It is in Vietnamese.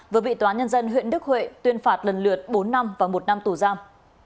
vừa bị tòa nhân dân huyện đức huệ tuyên phạt lần lượt bốn năm và một năm tù giam